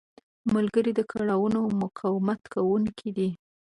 ملګری د کړاوونو مقاومت کوونکی دی